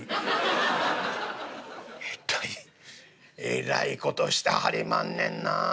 「えらい事してはりまんねんな」。